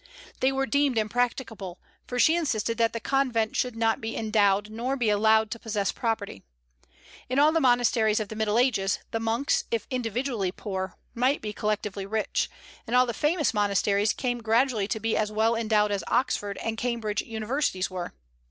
They were deemed impracticable, for she insisted that the convent should not be endowed, nor be allowed to possess property. In all the monasteries of the Middle Ages, the monks, if individually poor, might be collectively rich; and all the famous monasteries came gradually to be as well endowed as Oxford and Cambridge universities were.